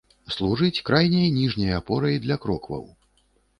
Служыць крайняй ніжняй апорай для крокваў.